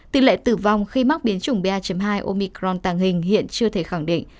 tỷ lệ tử vong khi mắc biến chủng ba hai omicron tàng hình hiện chưa thể khẳng định